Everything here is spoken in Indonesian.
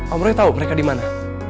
om roy tau mereka dimana